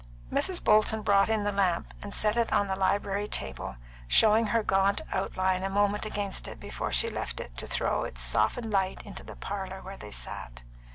Mrs. Bolton brought in the lamp, and set it on the library table, showing her gaunt outline a moment against it before she left it to throw its softened light into the parlour where they sat.